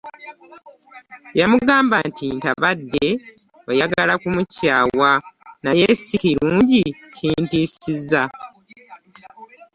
Yamugamba nti Ntabadde oyagala kumukyawa naye si kirungi kintiisizza.